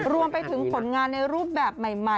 รวมไปถึงผลงานในรูปแบบใหม่